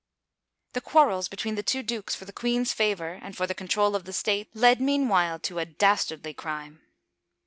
The quarrels between the two dukes for the queen's favor and for the control of the state led meanwhile to a das tardly crime.